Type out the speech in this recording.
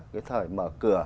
cái thời mở cửa